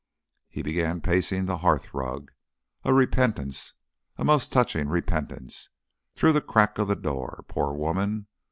He began pacing the hearthrug. "A repentance a most touching repentance through the crack of the door. Poor woman!